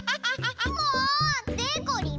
もう！でこりん